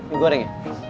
mie goreng ya